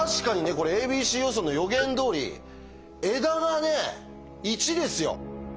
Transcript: これ「ａｂｃ予想」の予言どおり枝がね１ですよ。